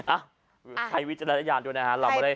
อ่ะใช้วิจารณญาณด้วยนะฮะ